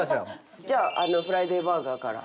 じゃあフライデーバーガーから。